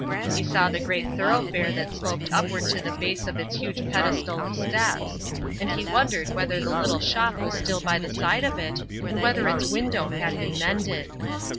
He saw the great thoroughfare that sloped upward to the base of its huge pedestal of steps. And he wondered whether the little shop was still by the side of it and whether its window had been mended.